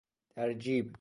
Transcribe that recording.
در جیب